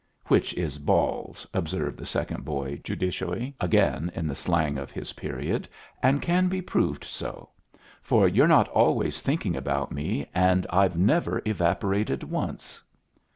"Which is balls," observed the second boy, judicially, again in the slang of his period, "and can be proved so. For you're not always thinking about me, and I've never evaporated once."